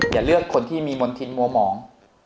อย่าเลือกคนที่มีมณฑินมัวหมอง